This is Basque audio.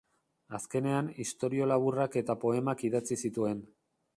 Azkenean, istorio laburrak eta poemak idatzi zituen.